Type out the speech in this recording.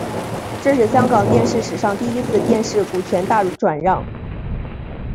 这是香港电视史上第一次电视股权大转让。